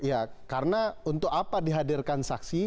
ya karena untuk apa dihadirkan saksi